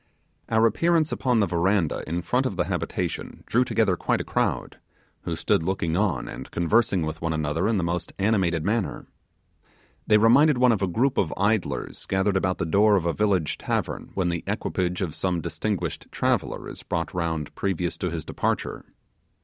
Our appearance upon the verandah in front of the habitation drew together quite a crowd, who stood looking on and conversing with one another in the most animated manner. They reminded one of a group of idlers gathered about the door of a village tavern when the equipage of some distinguished traveller is brought round previously to his departure.